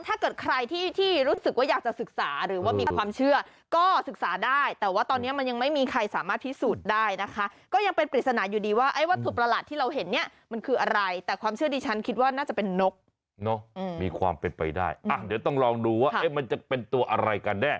ถ้าเกิดใครที่รู้สึกว่าอยากจะศึกษา